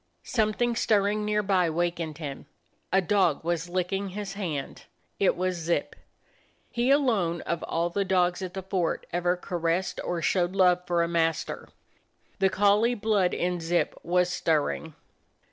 Something stirring near by wakened him; a dog was licking his hand. It was Zip. He alone of all the dogs at the fort ever caressed or showed love for a master. The collie blood in Zip was stirring.